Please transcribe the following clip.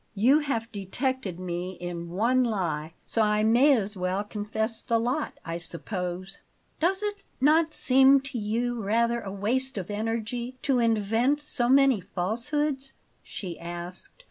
You have detected me in one lie, so I may as well confess the lot, I suppose." "Does it not seem to you rather a waste of energy to invent so many falsehoods?" she asked.